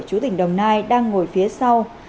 chú tỉnh đồng nai đang ngồi phía sau